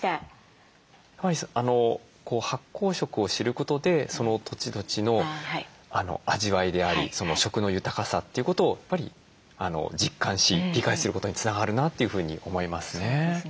発酵食を知ることでその土地土地の味わいであり食の豊かさということをやっぱり実感し理解することにつながるなというふうに思いますね。